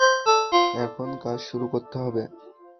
এখন কাজ শুরু করতে হবে।